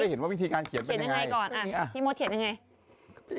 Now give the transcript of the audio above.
เอาพี่โมทเขียนอย่างนี้